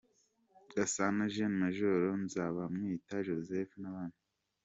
Gasana; Gen Major, Nzabamwita Joseph n’abandi.